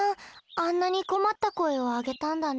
あんなに困った声をあげたんだね。